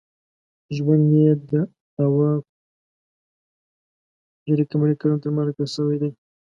ژوند یې د اوه ق کلونو تر منځ اټکل شوی دی.